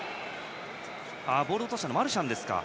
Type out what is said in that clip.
ボールを落としたのはマルシャンですか。